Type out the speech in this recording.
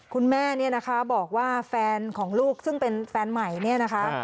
คุณแม่เนี่ยนะคะบอกว่าแฟนของลูกซึ่งเป็นแฟนใหม่เนี่ยนะคะ